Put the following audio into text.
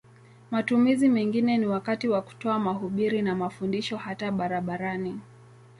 Matumizi mengine ni wakati wa kutoa mahubiri na mafundisho hata barabarani.